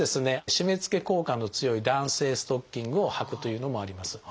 締めつけ効果の強い弾性ストッキングをはくというのもあります。